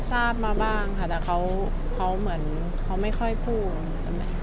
ทราบมาบ้างค่ะแต่เขาเหมือนเขาไม่ค่อยพูด